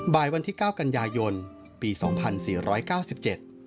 วันที่เก้ากันยายนปีสองพันสี่ร้อยเก้าสิบเจ็ด